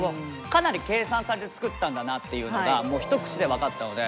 かなり計算されて作ったんだなっていうのがもう一口で分かったので。